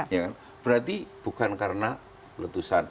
ya kan berarti bukan karena letusan